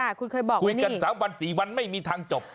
คุณเคยบอกว่านี้คุยกันสามวันสี่วันไม่มีทางจบ